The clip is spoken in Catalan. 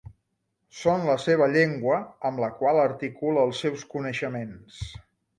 Són la seva llengua, amb la qual articula els seus coneixements.